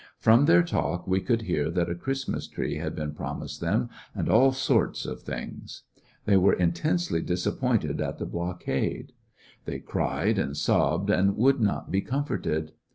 From their talk we could hear that a Christmas tree had been promised them, and all sorts of things* They were intensely disappointed at the blockade. 175 ^ecoUections of a They cried and sobbed, and would not be comforted.